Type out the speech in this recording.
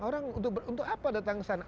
orang untuk apa datang kesana